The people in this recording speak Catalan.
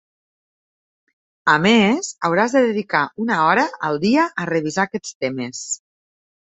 A més, hauràs de dedicar una hora al dia a revisar aquests temes.